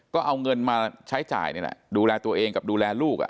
ก็เอาเงินมาใช้จ่ายนี่แหละดูแลตัวเองกับดูแลลูก